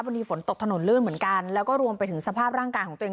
ฝนตกถนนลื่นเหมือนกันแล้วก็รวมไปถึงสภาพร่างกายของตัวเอง